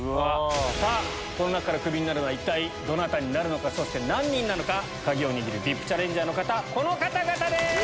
さあ、この中からクビになるのは一体どなたになるのか、そして何人なのか、鍵を握るＶＩＰチャレンジャーの方、この方々です。